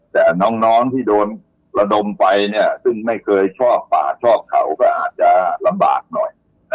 แต่น้องที่โดนระดมไปซึ่งไม่เคยชอบป่าชอบเขาก็อาจจะลำบากหน่อย